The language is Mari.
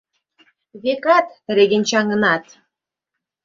Векат, регенчаҥынат!